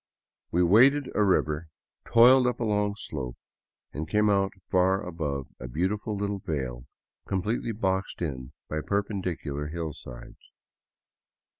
We waded a river, toiled up a long slope, and came out far above a beautiful little vale completely boxed in by perpendicular hillsides.